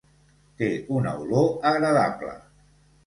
Té una olor agradable.